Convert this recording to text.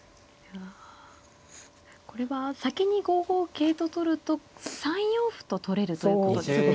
これは先に５五桂と取ると３四歩と取れるということですね。